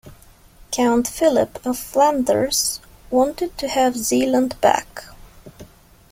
Count Philip of Flanders wanted to have Zeeland back.